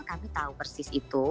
kami tahu persis itu